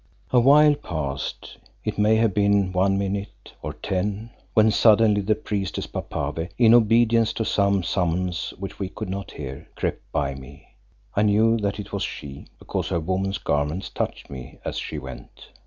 A while passed, it may have been one minute or ten, when suddenly the priestess Papave, in obedience to some summons which we could not hear, crept by me. I knew that it was she because her woman's garments touched me as she went.